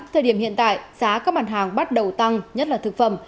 thời điểm hiện tại giá các mặt hàng bắt đầu tăng nhất là thực phẩm